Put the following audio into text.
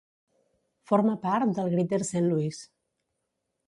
Forma part de Greater Saint Louis.